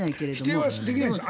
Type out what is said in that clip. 否定はできないです。